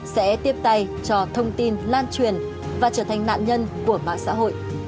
sẽ tiếp tay cho thông tin lan truyền và trở thành nạn nhân của mạng xã hội